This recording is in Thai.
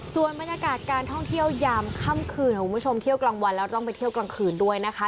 ส่วนบรรยากาศการท่องเที่ยวยามค่ำคืนของคุณผู้ชมเที่ยวกลางวันแล้วต้องไปเที่ยวกลางคืนด้วยนะคะ